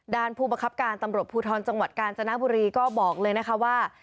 ด้านผู้ประคับการตำรวจผู้ท้อนจังหวัดกาลจนบุรีก็บอกเลยนะคะว่า